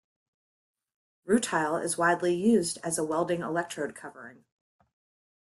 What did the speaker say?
Rutile is widely used as a welding electrode covering.